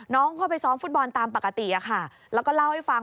น้องเข้าไปซ้อมฟุตบอลตามปกติแล้วก็เล่าให้ฟัง